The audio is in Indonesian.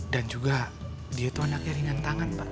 dan juga dia itu anaknya ringan tangan pak